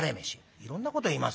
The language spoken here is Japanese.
「いろんなこと言いますね」。